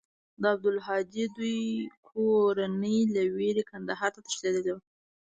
د عبدالهادي دوى کورنۍ له وېرې کندهار ته تښتېدلې وه.